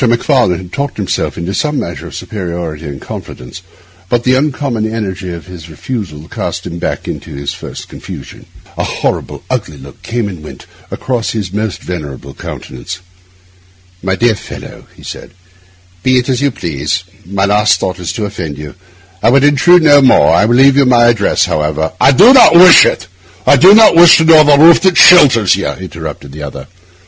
Macfarlane had talked himself into some measure of superiority and confidence, but the uncommon energy of this refusal cast him back into his first confusion. A horrible, ugly look came and went across his almost venerable countenance. 'My dear fellow,' he said, 'be it as you please; my last thought is to offend you. I would intrude on none. I will leave you my address, however—' 'I do not wish it—I do not wish to know the roof that shelters you,' interrupted the other.